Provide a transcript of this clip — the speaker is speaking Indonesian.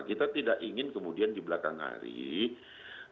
kita tidak ingin kemudian di belakang hari ada gubernur yang berpengaruh